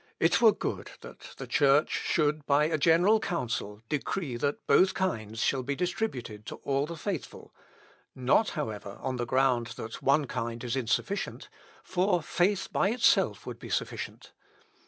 "It were good that the Church should, by a general council, decree that both kinds shall be distributed to all the faithful; not, however, on the ground that one kind is insufficient, for faith by itself would be sufficient."